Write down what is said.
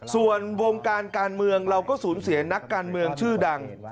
ส่วนวงการการเมืองเราก็สูญเสียนักการเมืองชื่อดัง